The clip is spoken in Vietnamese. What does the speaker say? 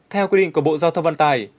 theo quy định của bộ giao thông vận tải